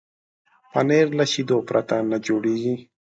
پنېر له شيدو پرته نه جوړېږي.